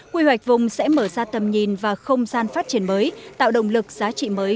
quy hoạch vùng sẽ mở ra tầm nhìn và không gian phát triển mới tạo động lực giá trị mới